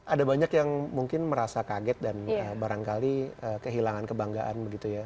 ada banyak yang mungkin merasa kaget dan barangkali kehilangan kebanggaan begitu ya